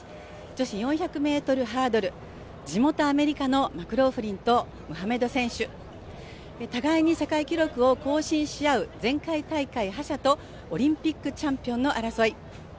女子４００ｍハードル地元・アメリカのマクローフリン、ムハマド選手、互いに世界記録を更新し合う前回大会覇者とオリンピックチャンピオンの争い。